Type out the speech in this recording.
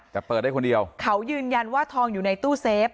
แต่เปิดได้คนเดียวเขายืนยันว่าทองอยู่ในตู้เซฟ